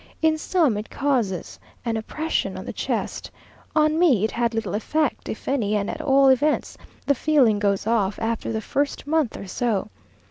In some it causes an oppression on the chest. On me, it had little effect, if any; and at all events, the feeling goes off, after the first month or so.